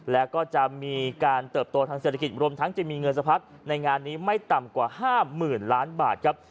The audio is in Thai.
แล้วก็จะมีการเติบโตทางเศรษฐกิจรวมทั้งจะมีเงินสะพัดในงานนี้ไม่ต่ำกว่า๕๐๐๐ล้านบาทครับ